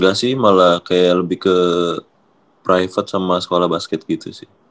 gak sih malah kayak lebih ke private sama sekolah basket gitu sih